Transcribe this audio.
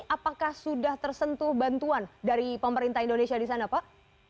apakah sudah tersentuh bantuan dari pemerintah indonesia di sana pak